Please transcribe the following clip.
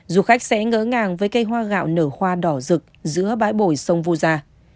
du khách sẽ ngỡ ngàng với cây hoa gạo nở hoa đỏ rực giữa bãi bồi sông vu gia